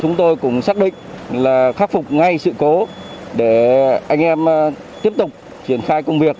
chúng tôi cũng xác định là khắc phục ngay sự cố để anh em tiếp tục triển khai công việc